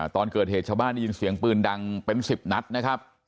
ตอนเกิดเหตุชาวบ้านได้ยินเสียงปืนดังเป็น๑๐นัดนะครับ